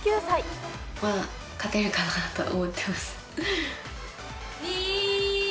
まあ、勝てるかなと思ってます。